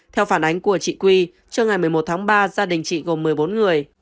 theo phản ánh của chị quy trưa ngày một mươi một tháng ba gia đình chị gồm một mươi bốn người